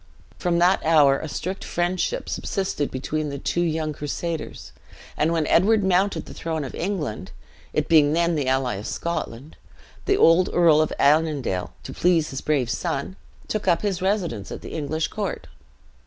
"From that hour a strict friendship subsisted between the two young crusaders; and when Edward mounted the throne of England, it being then the ally of Scotland, the old Earl of Annandale, to please his brave son, took up his residence at the English court.